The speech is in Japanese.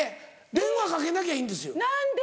電話かけなきゃいいんですよ。何で？